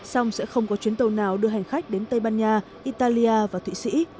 song sẽ không có chuyến tàu nào đưa hành khách đến tây ban nha italia và thụy sĩ